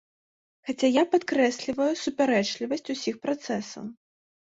Хаця я падкрэсліваю супярэчлівасць усіх працэсаў.